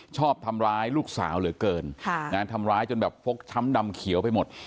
ชอบทำร้ายลูกสาวเหลือเกินทำร้ายจนแบบฟกช้ำดำเขียวไปหมด